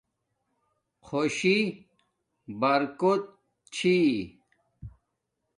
خوشی برکوت چھی